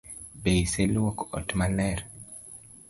Be iseluoko ot maler?